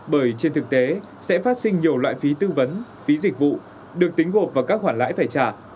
bởi trên thực tế sẽ phát sinh nhiều loại phí tư vấn phí dịch vụ được tính gộp vào các khoản lãi phải trả